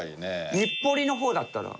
日暮里の方だったら？